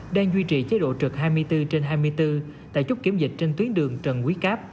đang duy trì chế độ trực hai mươi bốn trên hai mươi bốn tại chốt kiểm dịch trên tuyến đường trần quý cáp